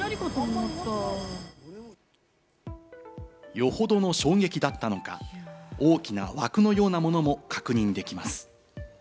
よほどの衝撃だったのか、大きな枠のようなものも確認できます。